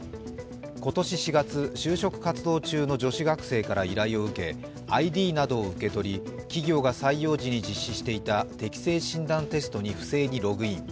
今年４月、就職活動中の女子学生から依頼を受けＩＤなどを受け取り企業が採用時に実施していた適性診断テストに不正にログイン。